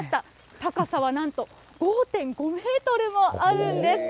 高さはなんと５．５メートルもあるんです。